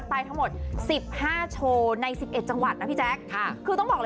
ส่วนเธอรักโทนักสัญญาเหมือนเดิม